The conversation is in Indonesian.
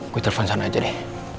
gue telepon sana aja deh